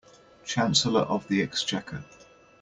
Chancellor of the Exchequer